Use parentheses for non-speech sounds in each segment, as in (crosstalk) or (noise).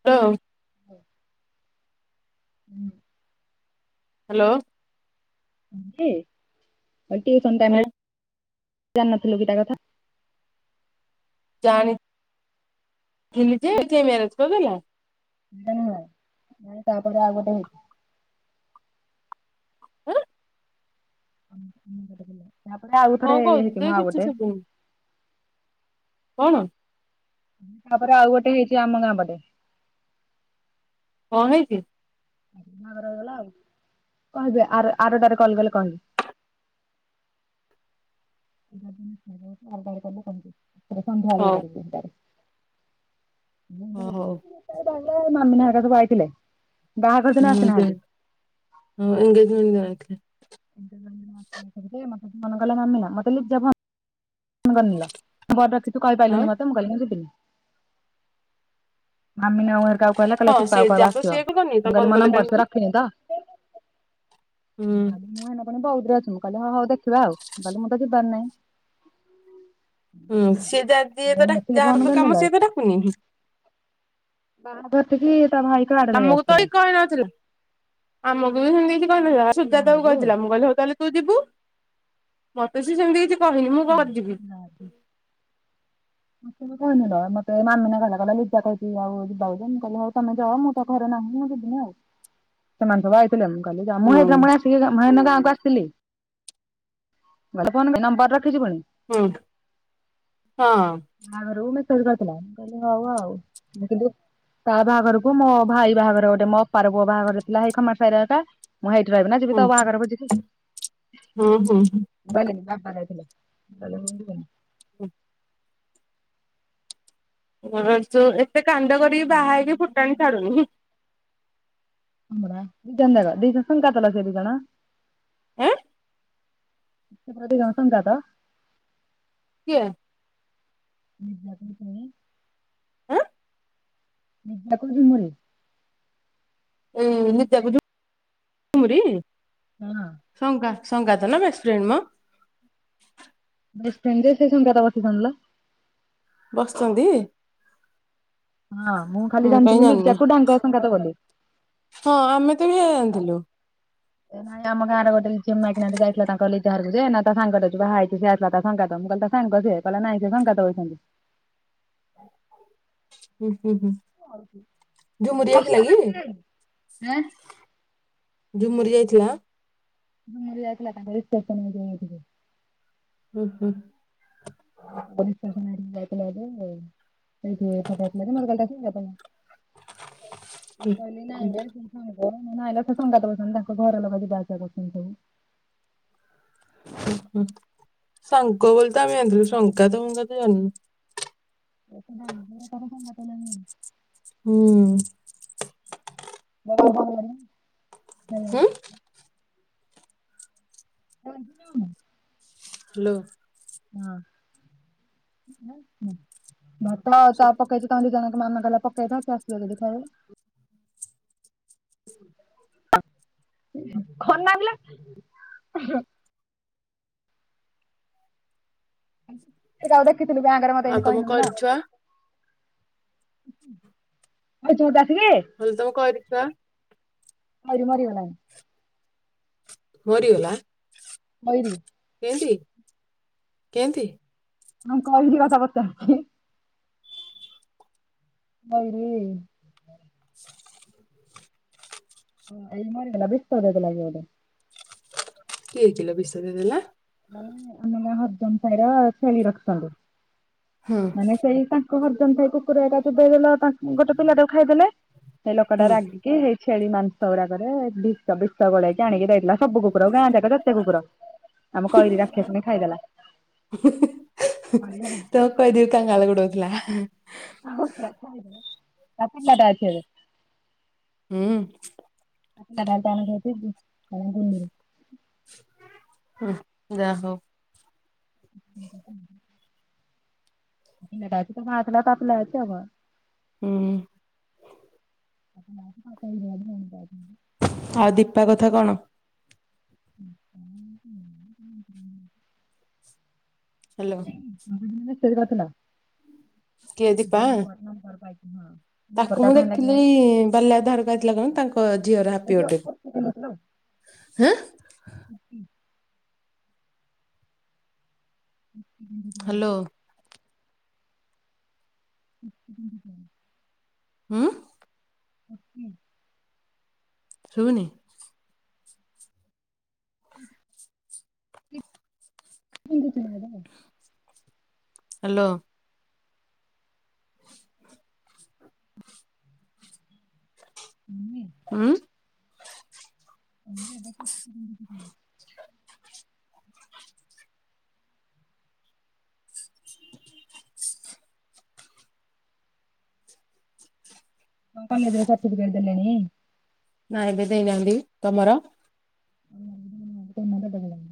(unintelligible) (unintelligible) Hello ଟାଇରେ ଜାଣିନଥିଲୁ (unintelligible) କଥା ଜାଣି (unintelligible) (unintelligible) ତାପରେ ଆଉ ଗୋଟେ ହେଇଚି। (unintelligible) ତାପରେ ଆଉ କଣ ଥରେ କହୁଛୁ ହେଇ କି ଦେ ମୋ ଆଉ କିଛି ଗୋଟେ। ଶୁଭୁନି କଣ? ତାପରେ ଆଉ ଗୋଟେ ହେଇଛି ଆମ ଗାଁ ପଟେ। କଣ ହେଇଛି? ଘର ହେଇଗଲା ଆଉ କହିବେ ଆର ଆରଟାରେ କଲ ଗଲେ କହିବି। ହଉ। (unintelligible) ଓ ହଉ (unintelligible) ଆଇଥିଲେ। ବାହାଘର ଦିନ ହୁଁ ଦେ ଆସିନାହାନ୍ତି ହଁ ଏେଜମେଣ୍ଟ (unintelligible) ମତେ ମନ ଗଲା ମାମିନା ମତେ ଲିଜା (unintelligible) (unintelligible) ତୁ ତାପରେ କହି ଆଉ ପାରିଲାନି ମତେ। ମୁ କହିଲି ଯିବିନି ମାମିନା କିଲ କହିଲା ହଁ ସିତ ସିଏ କହିବ ଯାବ ଆସିବ ସିଏ କନି ତ ମୁଁ କଲ କହିଲ ମୋ କଲେ କାହିଁ ନମ୍ବର ହୁଁ ସିଏରଖ ନ ତ (unintelligible) ପୁଣି ବଉଦରେ ଅଛନ୍ତିୁ କାଲି ହଁ ହଉ ଦେଖିବା ଆଉ କହିଲି ମୁଁ ତ ଯିବାର ନାହିଁ। ହୁଁ ସିଏ ଯା ଯିଏ ତ ଏମିତି ଫୋନ ଯାହାର ତ କରିନେଲା କାମ ସିଏ ତ ଡାକୁନି। ବାହାଘର ଟି ତା ଭାଇ କାର୍ଡ ନେଇ ଆମକୁ ତ ଆସିଥିଲା ଏ କହିନଥିଲା ଆମକୁ ବି ସେମିତି କିଛି କହିନଥିଲା ସୁଧା ତାକୁ ବାହାଘରକୁ। କହିଥିଲା ମୁ କହିଲି ହଉ ତାହେଲେ ତୁ ଯିବୁ ମତେ ସ ସେମିତି କିଛି କହିନି ମୁଁ କଣ ଯିବି। ମଁେ କହନି ର ମତେ ମାମିନା କହିଲା ଲିଜ଼ା କହିଛି ଯିବା କଥା ମୁ କହିଲି ହଉ ତମେ ଯାଅ ମୁଁ ଘରେ ନାହିଁ ଯିବିନି ସେମାନେ ସବୁ ଆଇଥିଲେ କାଲି ହୁଁ। ମୁଁ ସେଥିପାଇଁ ମନା କରୁଚି ଟିକେ ମହେନ ଗାଁକୁ ଆସଥିଲି ଫୋ ନମ୍ବର ରଖିଛିୁ ପୁଣି। ହୁଁ ହଁ ବାହାଘରକୁ ମେକପ ଚାଲିଥିଲା ମୁଁ କହିଲି ହଉ ଆଉ ମୁଁ କହିଲି ତା ବାହାଘରକୁ ମୋ ଭାଇ ବାହାଘର ଗୋଟେ ମୋ ଅପାର ପୁଅ ବାହାଘର ଥିଲା ସେଇ ଖମାର ସାହିର ଏକା। ମୁଁ ହେଇଠି ରହିବି ନା ଯିବି ହୁଁ ତା ବାହାଘର ଭୋଜି ଖାଇ। ହୁଁ ହୁଁ। ଗଲେନି ବାପ ଯାଇଥିଲେ। ହୁଁ। (unintelligible) ଏତେ କାଣ୍ଡ କରିକି ବାହା ହେଇକି ଫୁଟାଣି ଛାଡୁନି। (unintelligible) ସେ ଦି ଜଣ ଏଁ। (unintelligible) କିଏ? (unintelligible) ଆଁ। (unintelligible) ଏଇ ନିତିଆ କୁ ଝୁମୁରି। ହଁ। ସଙ୍ଗା ସଙ୍ଗାତ ତ ନା ବେଷ୍ଟ ଫ୍ରେଣ୍ଡ ମ। ବେଷ୍ଟଫ୍ରେଣ୍ଡ ଯେ ସେଇ ସଙ୍ଗାତ ବସିଚନ୍ତି ଲୋ। ବସିଚନ୍ତି। ହଁ ମୁଁ ଖାଲି କାହିଁ ଜାଣିଥିଲି ଜାଣିନି। ଲିଜାକୁ ଡାଙ୍ଗର ସଙ୍ଗାତ ବୋଲି। ହଁ ଆମେ ତ ବି ହେଇଆ ଜାଣିଥିଲୁ। ଏ ନାଇଁ ଆମ ଗାଁରେ ଗୋଟେ ଝିଅ ମାଇକିଣା ଟେ ଯାଇଥିଲା ତାଙ୍କ କଲେ। ହାରକୁ ଯେ ନା ତା ସାଙ୍ଗ (unintelligible) ବାହାହେଉକି ସିଏ ଆସିଲା ତା ସଙ୍ଗାତ ମୁଁ କହିଲି ତା ସାଙ୍ଗ ସିଏ କଇଲା ନାଇଁ ସିଏ ସଙ୍ଗାତ ବଇଛନ୍ତି। ହୁଁ ହୁଁ ହୁଁ। ଝୁମୁରି ଯାଇଥିଲା (inaudible) କି? ଏଁ ଝୁମୁରି ଯାଇଥିଲା। ଝୁମୁରି ଯାଇଥିଲା ତାଙ୍କ ରିସେପ୍ସନକୁ (unintelligible) ହୁଁ ହୁଁ। (unintelligible) ଯାଇଥିଲା ଯେ (unintelligible) (inaudible) ହଁ ହୁଁ ପା (unintelligible) ହୁଁ ନାଇଁଲୋ ସେ ସଙ୍ଗାତ ବସିଚନ୍ତି ତାଙ୍କ ଘର ଲୋକ ଯିବା ଆସିବା କରୁଚନ୍ତି ସବୁ। ହୁଁ ସାଙ୍ଗ ବୋଲି ତ ଆମେ ଜାଣିଥିଲୁ। ସଙ୍ଗାତ ଫଙ୍ଗାତ ଜାଣିନୁ। (unintelligible) ହୁଁ। (inaudible) ହୁଁ। (unintelligible) ହାଲୋ। ହଁ। ହଁ ଚ ପକେଇଚୁ ତମ ଦି ଜଣ ଙ୍କ ମାନ କଇଲା ପକେଇଥ ସିଏ ଆସିବେ ଯଦି ଖାଇବେ। ଖନା ପିଲା ହୁଁ। ସେ ଯଉ ଦେଖିଥିଲୁ ବ୍ୟାଙ୍କରେ ମତେ ଆଉ ଏମିତି ତମ କହି ନ କଇରି ଥିଲା। ଛୁଆ (unintelligible) (unintelligible) ଖଇରି ମରିଗଲାଣି। ମରିଗଲା। ଖଇରୀ। କେମନ୍ତି କେମନ୍ତି? ନ କଇକି କଥା ପଚାରୁଛି। ନାଇରେ। (unintelligible) ମରିଗଲା ବିଷ ଦେଇଦେଲା କିଏ ଗୋଟେ। କିଏ କିଲୋ ବିଷ ଦେଇଦେଲା? ମାନେ ଆମର ହରିଜନ ସାହିର ଛେଳି ରଖିଛନ୍ତି ହୁଁ ମାନେ ସେଇ ତା ଙ୍କ ହରିଜନସାଇ କୁକୁରଟା ଦେଇଦେଲ ତ ଗୋଟେ ପିଲାଟାକୁ ଖାଇଦେଲେ ସେଇ ଲୋକଟା ହୁଁ। ରାଗି କି ସେଇ ଛେଳି ମାଂସ ଗୁଡାକରେ ବିଷ ବିଷ ଗୋଳେଇକି ଆଣିକି ଦେଇଥିଲା ସବୁ କୁକୁର କୁ ଗାଁ ଯାକ ଯେତେ କୁକୁର ଆମ କଇରି ରକ୍ଷାଶୁଣି ଖାଇଦେଲା। ମରିଗଲା। କହି ଦିଅ କାଙ୍ଗାଳ ଗୋଡଉଥିଲା। ହୁଁ (unintelligible) (unintelligible) (unintelligible) (unintelligible) ପିଲା ଟା ଥିଲା। ତା, ମା ଥିଲା। ହୁଁ। (unintelligible) ଆଉ, ଦୀପା କଥା କଣ? (unintelligible) ହ୍ୟାଲୋ। କିଏ ଦୀପା? (unintelligible) ତାକୁ ମୁଁ ଆଣିଲା କେଜାଣି ଦେଖିନି, ବାଲ୍ୟା ଧାରକୁ ଥିଲା କଣ ତାଙ୍କ ଝିଅର ହାପି ବଥଡେ କୁ। (inaudible) ଏଁ। (inaudible) (inaudible) ହ୍ୟାଲୋ। (inaudible) (unintelligible) (inaudible) ଶୁଭୁନି। ହୁଁ। ପିନ୍ଧୁଥିଲ ପରା। ହ୍ୟାଲୋ। ହୁଁ। ହଁ। (unintelligible) ତମ କଲେଜ ରେ ସାର୍ଟିଫିକେଟ ଦେଲେଣି? ନା ଏବେ ଦେଇନାହାନ୍ତି, ତମର? (unintelligible)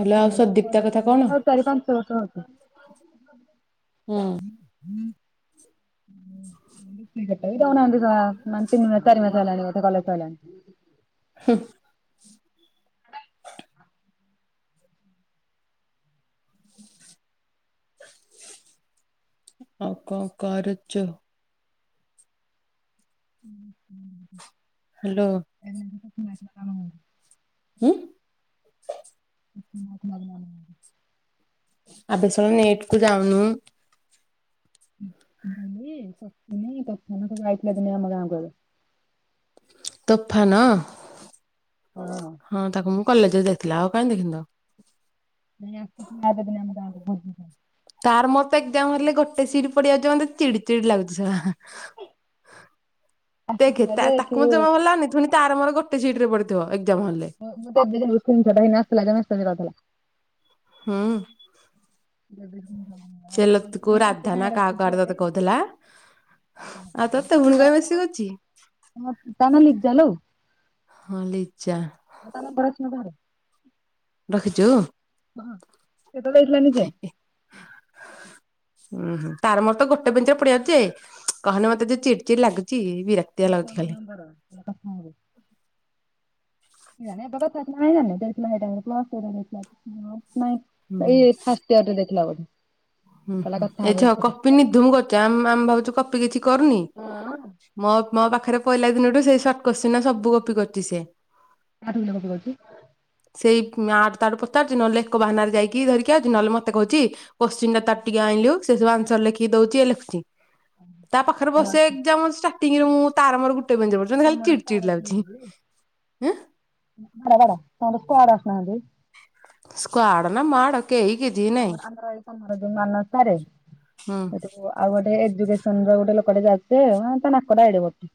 ହ୍ୟାଲୋ, ଆଉ ସଦୀପ୍ତା କଥା କଣ? ଚାରି, ପାଞ୍ଚ ବର୍ଷ ହେବ। ହିଁ ହଁ। ତିନି, ଚାରି ମାସ ହେଲାଣି କଲେଜ ସରିଲାଣି। ହୁଁ। ଆଉ, କଣ କରୁଚୁ? ହୁଁ। ହ୍ୟାଲୋ। (inaudible) ଉଁ। (unintelligible) ଆବେଷଳା ନେଟ କୁ ଯାଉନୁ। ପପୁନି, ତୋଫାନ, ଯାଇଥିଲା ଦିନେ ଆମ ଗାଁ କୁ ଏବେ। ତୋଫାନ, ହଁ ତାକୁ ମୁଁ କଲେଜରେ ଦେଖି (unintelligible) ଆଉ କାଇଁ ଦେଖିନି ତାକୁ ଦିନେ, ଆସିଥିଲେ ଆମ ଗାଁ କୁ ତାର, ମୋର ତ ଏକଜାମ୍ ହେଲେ ଗୋଟେ ସିଡି ପଡିଆ ଯାଉଚି, ମତେ ଚିଡି ଚିଡି ଲାଗୁଚି ଦେଖେ ତାକୁ ମତେ ଜମା ଭଲ ଲାଗନି ପୁଣି ତାର ମୋର ଗୋଟେ ସିଟ ରେ ପଡିଥିବ ଏକ୍ଜାମ ହଲରେ। (unintelligible) ହୁଁ। (unintelligible) ସେ ଲତିକୁ ରାଧା ସେଥିପାଇଁ ନା କାହାକୁ କାହାର ତତେ କହୁଥିଲା। (unintelligible) ଆଉ ତୋତେ ପୁଣି କାଇଁ ମେସେଜ କରୁଛି ତମ ଲିଜା ଲୋ। ହଁ ଲିଜା। ହଁ ତାହେଲେ (unintelligible) ରଖିଛୁ? ହଁ ସେ ତ କହିଥିଲା ନିଜେ। ହ ଉୁଁ- ହୁ ତାର ମୋର ତ ଗୋଟେ ବେଞ୍ଚରେ ପଡିଯାଉଛି ଯେ, କହନି ମତେ ଯୋଉ ଚିଡ ଚିଡି ଲାଗୁଚି। ବିର ବାଇକ ନମ୍ବର ନମ୍ବର (inaudible) (unintelligible) ଏଇ ଫାଷ୍ଟ ଆୱର୍ ହୁଁ ଦେଖିଲା ବୋଧେ? ହୁଁ- କହିଲା କଥା ହୁଁ ହବ ଏଇଠି ରଖ ତ ଅକ ନିଧୁମ କରୁଚି। ଆମେ ଆମେ ଭାବୁଛୁ କପି କିଛି କରୁନି, ମୋ ମୋ ପାଖରେ ପଇଲା ଦିନଠୁ ସେଇ ସର୍ଟ କୋଶ୍ଚିନ୍‌ ନା ସବୁ କପି କରୁଛି ସେ। (unintelligible) କପି କରୁଚି? ସେଇ ଆଠୁ ତାଠୁ ପଚାରୁଚି, ନହେଲେ ଏକ ବାହାନାରେ ଯାଇକି ଧରିକି ଆଉଚି, ନହେଲେ ମତେ କହୁଚି କୋସ କୋତ୍ସିନ ତାର ଟିକେ ଆଇଁଲୁ, ସେ ସବୁ ଆନ୍ସର ଲେଖିକି ଦଉଛି ଇଏ ଲେଖୁଛି। ତା ପାଖରେ ବସେ, ଆମର ଏକଯାମ ଷ୍ଟାର୍ଟିଂରେ ମୁଁ ତାର ମୋର ଗୁ ଟେ ବେଞ୍ଚରେ ପଡୁଚନ୍ତି, ଖାଲି ଚିଡ ଚିଡ ସ୍କ୍ୱାଡ୍ ଲାଗୁଛି। ଆସୁନାହାନ୍ତି ହେଁ (unintelligible) ତମର ସ୍କ୍ୱାଡ୍ ଆସୁନାହାଁନ୍ତି? ସ୍କ୍ୱାଡ୍ ନା ମ୍ୱାଡ କେଇ କିଛି ନାଇଁ ଆମର ଯୋଉ ମାନସ ସାରେ ହୁଁ। (unintelligible) ଆଉ ଗୋଟେ ଏଜୁକସନ ର ଗୋଟେ ଲୋକଟେ ଅଛି ଯେ, ତା ନାକଟା ଏଡେ ବଡ ଟେ।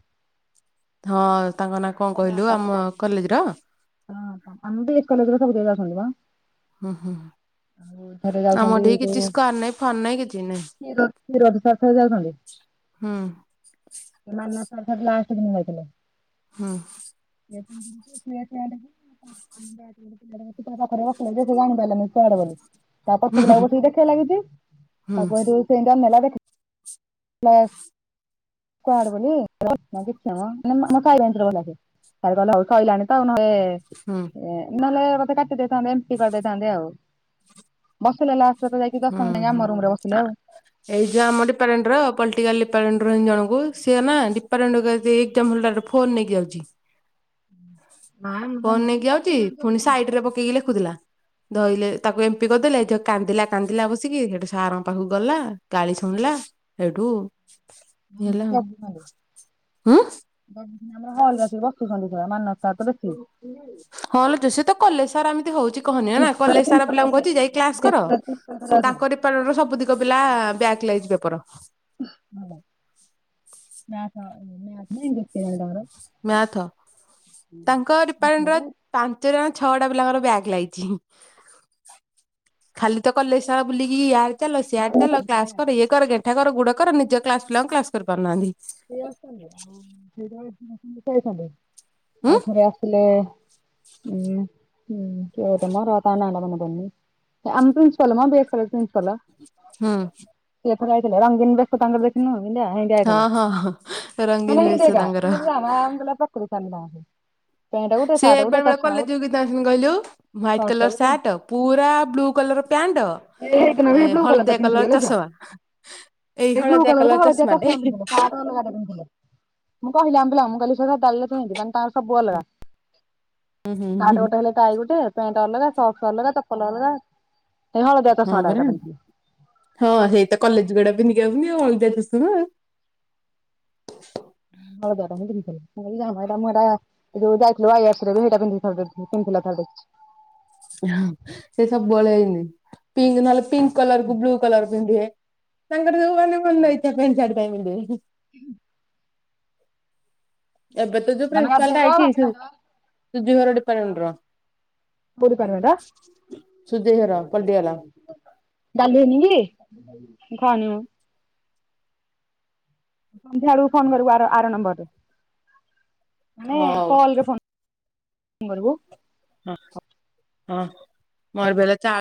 ହଁ ତାଙ୍କ ନାଁ କଣ ତା କହିଲୁ, ନାଁଟା ମୁଁ ଆମ ଜାଣିନି କଲେଜର? ହଁ ଆମେ ତ ଏ କଲେଜର ସବୁ ଯାକ ଆଉସନ୍ତି ମ। ହଁ - ହଁ। ଯାଉଛନ୍ତି ଆମର ଠେଇ ଯୋଉ କିଛି ସ୍କ୍ୱାଡ୍ ନାହିଁ ଫ୍ୱାଡ୍ ନାହିଁ କିଛି ନାଇଁ। କ୍ଷୀର କ୍ଷୀରୋଦ ସାର୍ ଥରେ ଯାଉଛନ୍ତି ହୁଁ। ମନୋଜ ସାର୍ ଖାଲି ଲାଷ୍ଟ୍ ଦିନ ଯାଇଥିଲେ। ହଁ। (unintelligible) ମନୋଜ ସାର୍ ତା ପାଖରେ ବସିଲେ ଯେ, ସେ ଜାଣି ପାଇଲାନି ସ୍କ୍ୱାଡ୍ ବୋଲି। ତାପରେ ସେ ଦେଖିବା ହୁଁ ବେଳକୁ ଲେଖିବାରେ ଲାଗିଛି, ହୁଁ ହୁଁ ତାକୁ ସେଇଠୁ ସେ (unintelligible) (unintelligible) ସ୍କ୍ୱାଡ ବୋଲି (unintelligible) ସାର୍ କହିଲେ ହଉ ସଇଲାଣି ତ, ଆଉ ନହେଲେ ହୁଁ। ଏ ନହେଲେ ମତେ କାଟି ଦେଇଥାନ୍ତେ, ଏମ୍ପି କରିଦେଇଥାନ୍ତେ ଆଉ। ବସିଲେ ଲାଷ୍ଟ ଯାଇକି ଦଶମ ହୁଁ ଯାଇଁ, ହୁଁ। ଆମ ରୁମରେ ଆ ବସିଲେ ଆଉ। ଏଇ ଯୋଉ ଆମ ଡିପାର୍ଟମେଣ୍ଟ ର ପଲ୍ଟିକାଲ୍ ଡିପାର୍ଟମଣ୍ଟ ରୁ ହିଁ ଜଣଙ୍କୁ, ସିଏ ନା (unintelligible) ଏକଦମ (unintelligible) ଫୋନ ନେଇକି ଯାଉଛିି। ନାଁ ମୁଁ (unintelligible) ଲେଖିଥିଲା ଧଇଲେ ତାକୁ ଏମ୍ପି କରିଦେଲେ, ଏତିକ କାନ୍ଦିଲା କାନ୍ଦିଲା ବସିକି ସେଠୁ ସାରଙ୍କ ପାଖକୁ ଗଲା, ଗାଳି ଶୁଣିଲା ସେଇଠୁ ନ ଇଏ ହେଲା (unintelligible) ଆଉ। ହୁଁ ଆମର ହଲ ରେ ଆସିକି ବସୁଛନ୍ତି, ପୁରା ମାନସ ସାର୍ ତ ବେଶୀ। ହଁ ଲୋ ଝିଅ ସେ ତ କଲେଜ ସାରା ଏମିତି ହଉଛି, କହନି ନା ଏଥର କଲେଜ ସାରା ପିଲାଙ୍କୁ ଆଇଥିଲେ କହୁଛି ଯାଇ କ୍ଲାସ କର (unintelligible) ତାଙ୍କ ଡିର୍ପାଟମେଣ୍ଟର ସବୁ ତକ ପିଲା ବ୍ୟାକ ଲାଗିଛି ପେପର। (unintelligible) ମ୍ୟାଥ ତାଙ୍କ ଆସିଲେ ଡିପାର୍ଟମେଣ୍ଟର ପାଞ୍ଚ ଟା ନା ଛଅ ଟା ପିଲାଙ୍କର ବ୍ୟାକ ଲାଗିଚି। ଖାଲି ତ କଲେଜ ସାରା ବୁଲିକି ୟା ଡ ଚାଲ ସିଆଡ ଚାଲ ଯେ କ୍ଲାସ କର ଇଏ କର ଗେଣ୍ଟା କର ଗୁଡ କର ନିଜ କ୍ଲାସ ପିଲାଙ୍କୁ କ୍ଲାସ କରିପାରୁନାହାନ୍ତି। (unintelligible) ଆଉ ଥରେ ଉଁ ଆସିଲେ (unintelligible) ଆମ ପ୍ରିନ୍ସିପାଲ ମ ବ୍ୟାକ କଲର ପ୍ରିନ୍ସିପାଲ। ହୁଁ। ସେ ଏଥର ଯାଇଥିଲେ ରଙ୍ଗିନ ବେଶ ତାଙ୍କର ଦେଖିନୁ ଯେମିଦିଆ ସେମିତି ଆଇଥିଲେ। ଅ ହଁ। ରଙ୍ଗୀନ ବେଶ ତାଙ୍କର (unintelligible) ଗୋଟେ ସିଏ ଗୋଟେ ଏବେ ବେଳେ ଚଷମା କଲେଜ ଗୋଟେ କିମିତି ଆସୁଛନ୍ତି କହିଲୁ ହ୍ୱାଇଟ କଲର ଗୋଟେ ସାର୍ଟ ଆଉ ପୁରା ବ୍ଲୁ କଲର ପ୍ୟାଣ୍ଟ। (unintelligible) ଏଇ ଏ ବ୍ଲୁ ହଳଦିଆ କଲର ଚଷମା ଏଇ ହଳଦିଆ କଲରକୁ କଲର ହଳଦିଆ ଚଷମା ଚଷମାଟେ ପିନ୍ଧିଥିଲେ ସାର୍ଟ ଅଲଗାଟା ପିନ୍ଧିଥିଲେ। (unintelligible) ହୁଁ ହୁଁ ଟାଇ ଗୋଟେ ପ୍ୟାଣ୍ଟ ଅଲଗା ସାର୍ଟସ ଅଲଗା ଚପଲ ଅଲଗା। ଏଇ ହଳଦିଆ ହଁ ଚଷମାଟା ପରା ଏକା ପିନ୍ଧିଥିଲେ। ହଁ ହେଇତ କଲେଜକୁ ଏଗୁଡା ପିନ୍ଧିକି ଆଉଚି ଆଉ ଅଲଗା କିଛି ନୁହଁ। (unintelligible) (unintelligible) ହଁ ସେ ସବୁବେଳେ ଏ ପିଙ୍କ ନହେଲେ ପିଙ୍କ କଲର କୁ ବ୍ଲୁ କଲର ପିନ୍ଧିବେ। ତାଙ୍କର ଯୋଉମାନେ ମନ ଇଚ୍ଛା ପାଣ୍ଟ ସାର୍ଟ (inaudible) ପିନ୍ଧିବେ। ହୁଁ। ଏବେ ତ ଯୋଉ ମାନେ ପ୍ରିନ୍ସିପାଲ ଟା ଗାଧେଇବ ଆଇଚି ଭାତ ସୁ ଖାଇଦବ ସୁଜିଘର ଡିପାର୍ଟମେଣ୍ଟ ର। କୋଉ ସୁଜେଇ ଘର ପଲଟିଗଲା ଡିର୍ପାଟମେଣ୍ଟର। ଡାଲି ହେଇନି କି। ସନ୍ଧ୍ୟା ବେଳକୁ ଫୋନ କରିବୁ ଆର ଆର ନମ୍ବର ହଉ। ରେ। (unintelligible) ଫୋନ କରିବୁ। ହଁ ହଁ ମୋର ବି ହେଲେ ଚାର୍